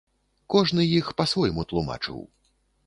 Кожны іх па-свойму тлумачыў.